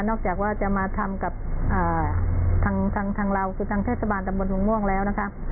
จากว่าจะมาทำกับทางเราคือทางเทศบาลตำบลทุ่งม่วงแล้วนะคะ